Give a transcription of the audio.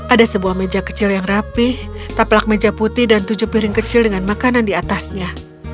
ada sebuah meja kecil yang rapih taplak meja putih dan tujuh piring kecil dengan makanan di atasnya